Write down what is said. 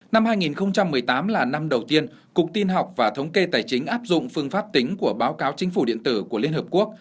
năm hai nghìn một mươi tám là năm đầu tiên cục tin học và thống kê tài chính áp dụng phương pháp tính của báo cáo chính phủ điện tử của liên hợp quốc